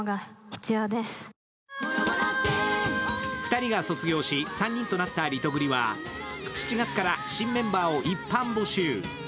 ２人が卒業し、３人となったリトグリは、７月から新メンバーを一般募集。